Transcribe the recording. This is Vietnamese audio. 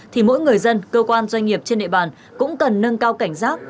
thì mỗi người dân cơ quan doanh nghiệp trên địa bàn cũng cần nâng cao cảnh giác